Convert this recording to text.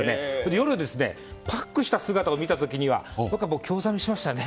夜はパックした姿を見た時には僕は興ざめしましたね。